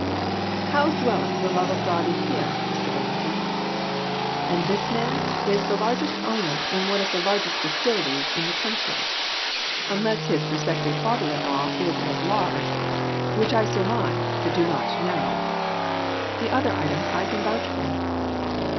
"How dwelleth the love of God in him, Mr. Remington ? And this man is the largest owner in one of the largest distilleries in the country; PRECIPITATION. 349 unless his prospective father in law is as large which I surmise, but do not know. The other items I can vouch for."